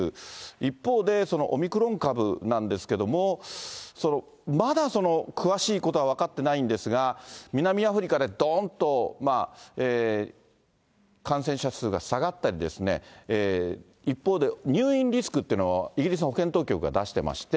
一方で、オミクロン株なんですけれども、まだその詳しいことは分かってないんですが、南アフリカでどーんと、感染者数が下がったり、一方で、入院リスクっていうのをイギリスの保健当局が出してまして。